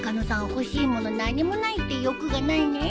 欲しい物何もないって欲がないね。